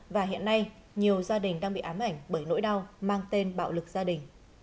và hiện nay nhiều gia đình đang bị ám ảnh bởi nỗi đau mang tên bạo lực gia đình